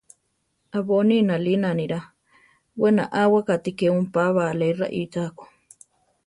Abóni nalína anirá; we naʼáwaka ti ke ompába ale raíchako.